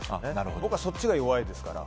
僕はそっちが弱いですから。